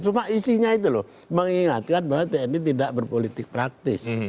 cuma isinya itu loh mengingatkan bahwa tni tidak berpolitik praktis